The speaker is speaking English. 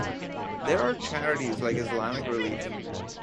There are charities like Islamic Relief.